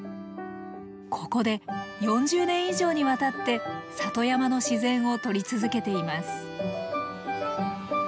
ここで４０年以上にわたって里山の自然を撮り続けています。